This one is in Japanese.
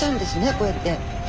こうやって。